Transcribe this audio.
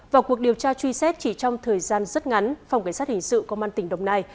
vào cuộc điều tra truy xét chỉ trong thời gian rất ngắn phòng cảnh sát hình sự công an tỉnh đồng nai